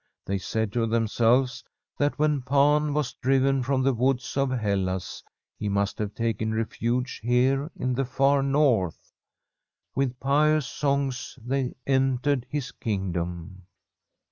They said to themselves that when Pan was driven from the woods of Hellas he must have taken refuge here in the far north. With pious songs they entered his kingdom.